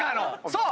そう！